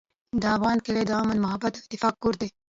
د افغان کلی د امن، محبت او اتفاق کور دی.